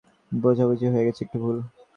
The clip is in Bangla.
মনে হচ্ছে আমাদের একটু ভুল বোঝাবুঝি হয়ে গেছে।